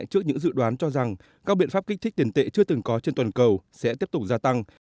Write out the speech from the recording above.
trước những dự đoán cho rằng các biện pháp kích thích tiền tệ chưa từng có trên toàn cầu sẽ tiếp tục gia tăng